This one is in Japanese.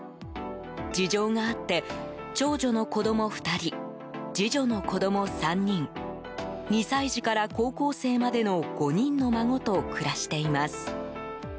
事情があって、長女の子供２人次女の子供３人２歳児から高校生までの５人の孫と暮らしています。